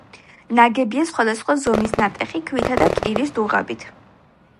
ნაგებია სხვადასხვა ზომის ნატეხი ქვითა და კირის დუღაბით.